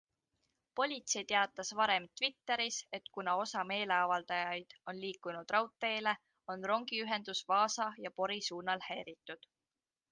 Politsei teatas varem Twitteris, et kuna osa meeleavaldajaid on liikunud raudteele, on rongiühendus Vaasa ja Pori suunal häiritud.